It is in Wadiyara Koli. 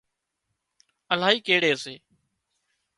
الاهي ڪيڙي سي